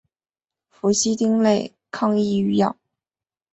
氟西汀类抗抑郁药。